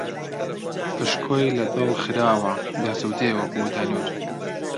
پشکۆی لە دڵ خراوە، دەسووتێ وەکوو تەنوور